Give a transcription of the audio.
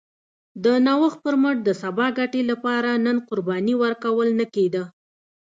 د نوښت پر مټ د سبا ګټې لپاره نن قرباني ورکول نه کېده